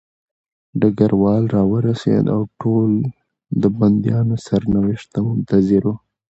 ډګروال راورسېد او ټول د بندیانو سرنوشت ته منتظر وو